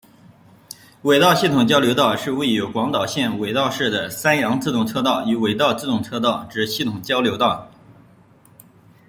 尾道系统交流道是位于广岛县尾道市的山阳自动车道与尾道自动车道之系统交流道。